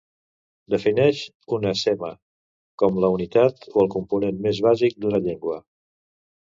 Defineix un "sema" com la unitat o el component més bàsics d'una llengua.